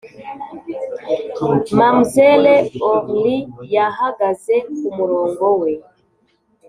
mamzelle aurlie yahagaze kumurongo we,